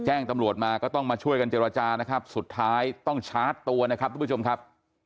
แจ้งตำรวจมาก็ต้องมาช่วยกันเจรจานะครับสุดท้ายต้องชาร์จตัวนะครับทุกผู้ชมครับ